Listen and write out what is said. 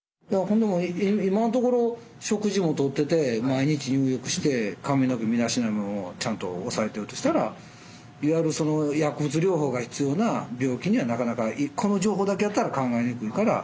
今のところ食事もとってて毎日入浴して髪の毛身だしなみもちゃんとおさえてるとしたらいわゆるその薬物療法が必要な病気にはなかなか１個の情報だけやったら考えにくいから。